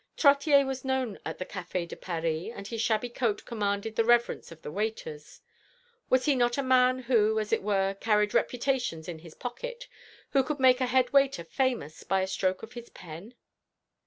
Trottier was known at the Café de Paris, and his shabby coat commanded the reverence of the waiters. Was he not a man who, as it were, carried reputations in his pocket, who could make a head waiter famous by a stroke of his pen?